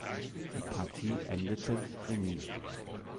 Die Partie endete remis.